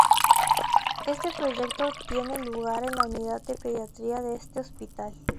Este proyecto tiene lugar en la Unidad de Pediatría de este hospital.